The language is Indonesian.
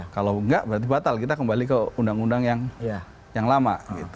kalau enggak berarti batal kita kembali ke undang undang yang lama